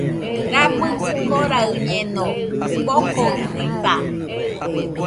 Rabɨkɨ koraɨñeno, bokoɨsisa.